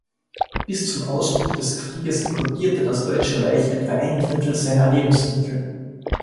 Bis zum Ausbruch des Krieges importierte das Deutsche Reich etwa ein Drittel seiner Lebensmittel.